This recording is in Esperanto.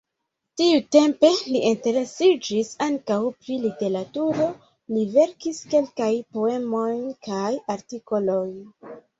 Tiutempe li interesiĝis ankaŭ pri literaturo, li verkis kelkajn poemojn kaj artikolojn.